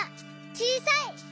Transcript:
「ちいさい」！